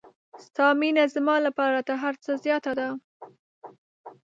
ستا مینه زما لپاره تر هر څه زیاته ده.